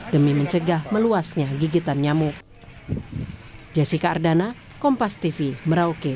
demi mencegah meluasnya gigitan nyamuk